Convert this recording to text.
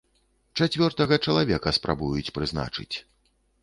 Чацвёртага чалавека спрабуюць прызначыць.